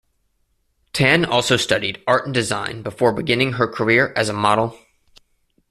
Tan also studied art and design before beginning her career as a model.